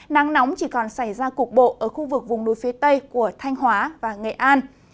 nắng nóng chỉ còn xảy ra cục bộ ở khu vực vùng núi phía tây của thanh hóa và nghệ an